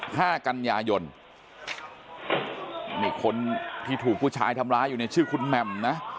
ห้ากันยายนนี่คนที่ถูกผู้ชายทำร้ายอยู่เนี่ยชื่อคุณแหม่มนะ